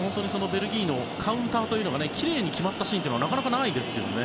ベルギーのカウンターがきれいに決まったシーンはなかなかないですよね。